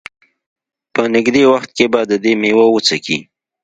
په نېږدې وخت کې به د دې مېوه وڅکي.